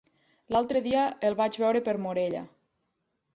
L'altre dia el vaig veure per Morella.